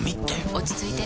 落ち着いて。